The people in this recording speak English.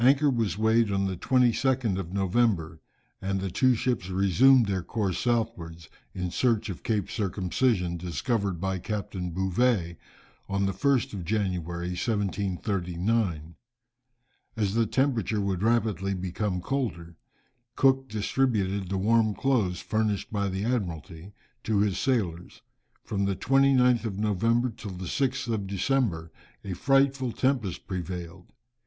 Anchor was weighed on the 22nd of November, and the two ships resumed their course southwards, in search of Cape Circumcision, discovered by Captain Bouvet, on the 1st of January, 1739. As the temperature would rapidly become colder, Cook distributed the warm clothes, furnished by the Admiralty, to his sailors. From the 29th of November till the 6th of December a frightful tempest prevailed.